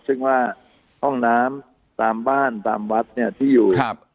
ซึ่งว่าห้องน้ำตามบ้านตามวัดเนี่ยที่อยู่ครับ